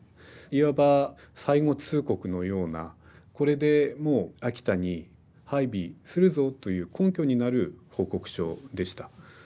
いわば最後通告のような「これでもう秋田に配備するぞ」という根拠になる報告書でした。